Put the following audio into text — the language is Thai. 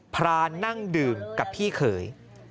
พระนั่งดื่มกับพี่เขย